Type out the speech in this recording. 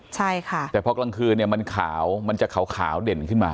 ใช่ค่ะแต่พอกลางคืนเนี่ยมันขาวมันจะขาวเด่นขึ้นมา